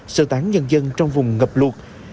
sơ tán nhân dân trong vùng ngập luộc